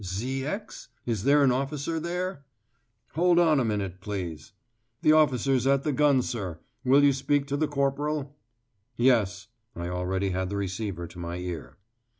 "Zx? Is there an officer there? Hold on a minute, please. The officer's at the gun, sir; will you speak to the corporal?" "Yes." I already had the receiver to my ear.